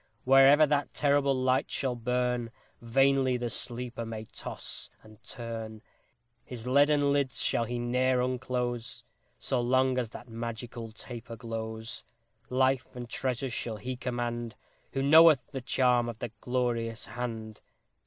Wherever that terrible light shall burn Vainly the sleeper may toss and turn; His leaden lids shall he ne'er unclose So long as that magical taper glows. Life and treasures shall he command Who knoweth the charm of the Glorious Hand!